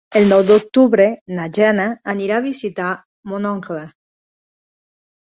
El nou d'octubre na Jana anirà a visitar mon oncle.